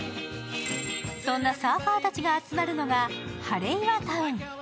そんなサーファーたちが集まるのがハレイワタウン。